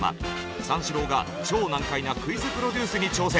三四郎が超難解なクイズプロデュースに挑戦。